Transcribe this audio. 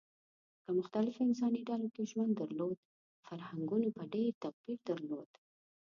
که مختلفو انساني ډلو ګډ ژوند درلود، فرهنګونو به ډېر توپیر درلود.